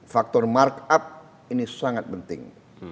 faktor mark up ini sangat penting